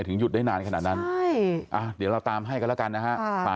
หยุดได้นานขนาดนั้นเดี๋ยวเราตามให้กันแล้วกันนะฮะ